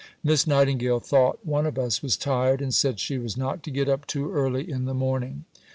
Miss Nightingale thought one of us was tired, and said she was not to get up too early in the morning.